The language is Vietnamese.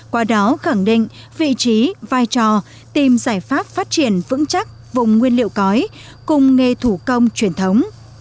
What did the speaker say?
qua đó khẳng định vị trí vai trò tìm giải pháp phát triển vững chắc vùng nguyên liệu cõi cùng nghề thủ công truyền thống